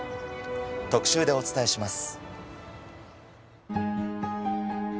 特集でお伝えします。